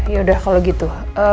yaudah kalau gitu